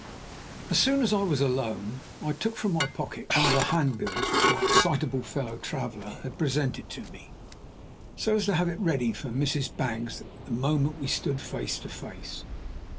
As soon as I was alone, I took from my pocket one of the handbills which my excitable fellow traveler had presented to me, so as to have it ready for Mrs. Baggs the moment we stood face to face.